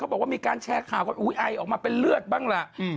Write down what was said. บอกว่ามีการแชร์ข่าวกันอุ้ยไอออกมาเป็นเลือดบ้างล่ะ